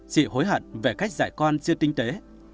chị hối hận về cách giải con chưa tinh tế